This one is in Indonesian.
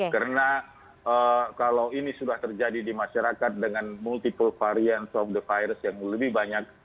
karena kalau ini sudah terjadi di masyarakat dengan varian variant virus yang lebih banyak